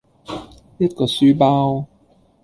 一個書包